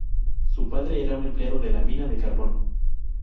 Su padre era un empleado de la mina de carbón.